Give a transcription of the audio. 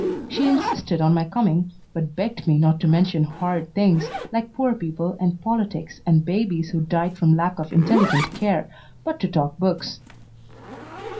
She insisted on my coming, but begged me not to mention horrid things, like poor people and politics and babies who died from lack of intelligent care, but to talk books.